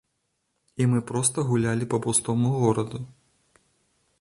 І мы проста гулялі па пустому гораду.